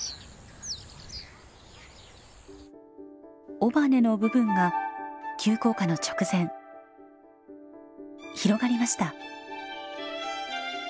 尾羽の部分が急降下の直前広がりました！